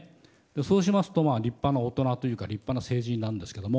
そうしますと立派な大人というか立派な成人なんですけど。